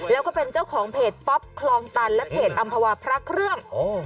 แล้วก็เป็นเจ้าของเพจป๊อปคลองตันและเพจอำภาวาพระเครื่อง